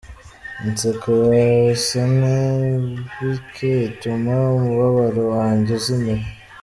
Inseko yawe isa nabike ituma umubabaro wanjye uzimira.